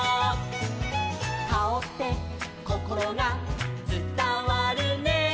「カオってこころがつたわるね」